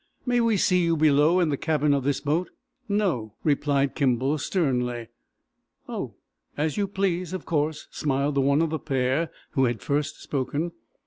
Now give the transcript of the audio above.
"May we see you below, in the cabin of this boat." "No!" replied Kimball, sternly. "Oh, as you please, of course," smiled the one of the pair who had first spoken.